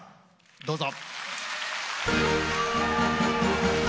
どうぞ。